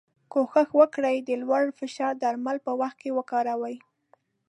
کوښښ وکړی د لوړ فشار درمل په وخت وکاروی.